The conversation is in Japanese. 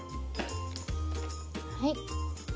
はい。